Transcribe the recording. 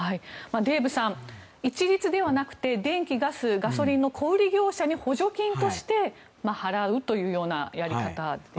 デーブさん、一律ではなくて電気・ガス、ガソリンの小売業者に補助金として払うというやり方です。